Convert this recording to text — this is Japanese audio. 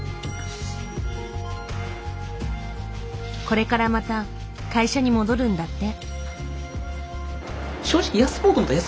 これからまた会社に戻るんだって。